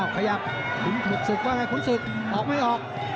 ขยับขุนศึกว่าไงขุนศึกออกไม่ออก